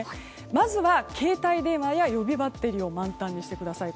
まずは携帯電話や予備バッテリーを満タンにしてください。